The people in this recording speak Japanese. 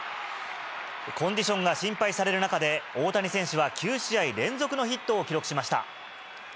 コンディションが心配される中で、大谷選手は９試合連続のヒットを記録しました。